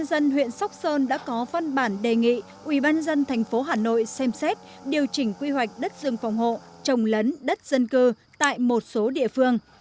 hiện tại ubnd huyện sóc sơn đã có phân bản đề nghị ubnd thành phố hà nội xem xét điều chỉnh quy hoạch đất rừng phòng hộ trồng lấn đất dân cư tại một số địa phương